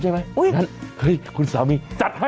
เออค่ะ